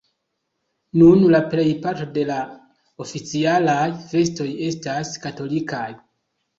Nun la plejparto de la oficialaj festoj estas katolikaj.